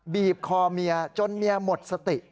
บีบคอเมียจนเมียหมดสติ